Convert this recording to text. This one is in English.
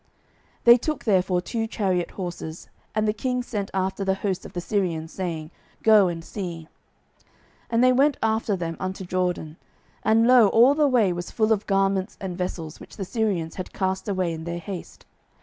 12:007:014 They took therefore two chariot horses; and the king sent after the host of the Syrians, saying, Go and see. 12:007:015 And they went after them unto Jordan: and, lo, all the way was full of garments and vessels, which the Syrians had cast away in their haste.